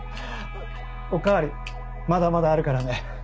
お代わりまだまだあるからね。